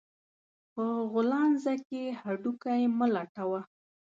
په غولانځه کې هډو کى مه لټوه